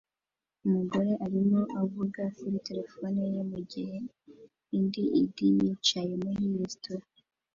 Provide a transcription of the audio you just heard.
Umugore arimo avugana kuri terefone ye mugihe id id yicaye muri resitora